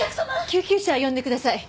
救急車呼んでください。